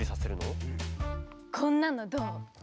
こんなのどう？